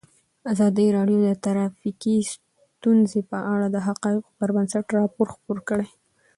ازادي راډیو د ټرافیکي ستونزې په اړه د حقایقو پر بنسټ راپور خپور کړی.